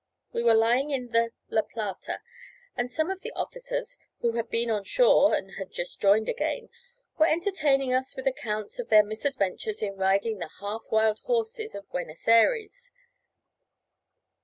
We were lying in the La Plata, and some of the officers, who had been on shore and had just joined again, were entertaining us with accounts of their misadventures in riding the half wild horses of Buenos Ayres.